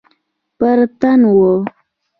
پر تن وه.